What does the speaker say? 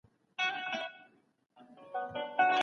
صداقت په رزق کي برکت راولي.